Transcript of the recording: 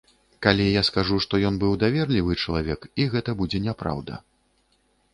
Калі я скажу, што ён быў даверлівы чалавек, і гэта будзе няпраўда.